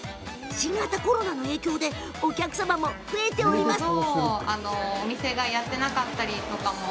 新型コロナの影響でお客様も増えています。